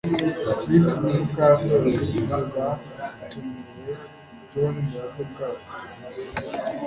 Trix na Mukandoli ntibatumiye John mubukwe bwabo